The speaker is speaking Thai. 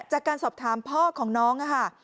จากการสอบถามพ่อของน้องค่ะ